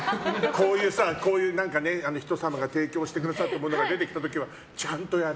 こういう、人様が提供してくださったものが出てきた時はちゃんとやる。